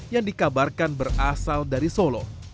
yang dikabarkan berasal dari solo